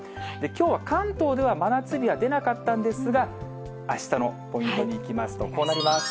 きょうは関東では真夏日は出なかったんですが、あしたのポイントにいきますと、こうなります。